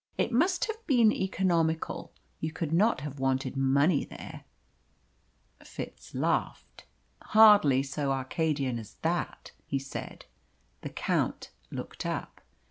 "It must have been economical. You could not have wanted money there." Fitz laughed. "Hardly so Arcadian as that," he said. The Count looked up.